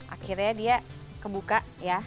akhirnya dia kebuka ya